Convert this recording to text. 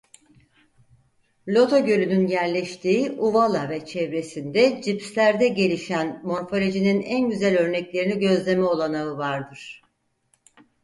Lota gölünün yerleştiği uvala ve çevresinde jipslerde gelişen morfolojinin en güzel örneklerini gözleme olanağı vardır.